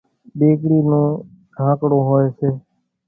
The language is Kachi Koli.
ۮيڳڙِي نون ڍانڪڙون هوئيَ سي۔